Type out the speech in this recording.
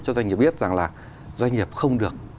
cho doanh nghiệp biết rằng là doanh nghiệp không được